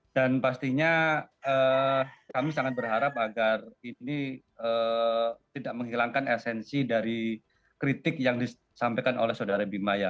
dan pastinya kami sangat berharap agar ini tidak menghilangkan esensi dari kritik yang disampaikan oleh saudara bima